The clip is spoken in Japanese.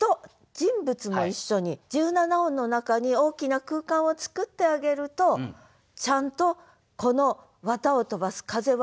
１７音の中に大きな空間を作ってあげるとちゃんとこの絮を飛ばす風は吹いてくる。